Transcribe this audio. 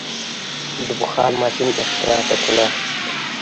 د بخار ماشین اختراع سرچینه اخیسته.